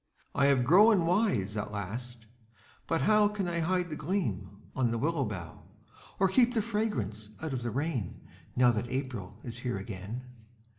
I have grown wise at last but how Can I hide the gleam on the willow bough, Or keep the fragrance out of the rain Now that April is here again?